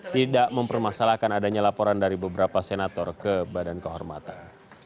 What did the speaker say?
tidak mempermasalahkan adanya laporan dari beberapa senator ke badan kehormatan